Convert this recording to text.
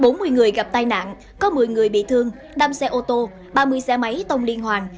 bốn mươi người gặp tai nạn có một mươi người bị thương đam xe ô tô ba mươi xe máy tông liên hoàn